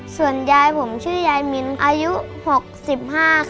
ส่วนยายผมชื่อยายมินทร์อายุ๖๕ปีครับ